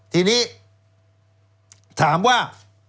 ทีนี้ถามว่า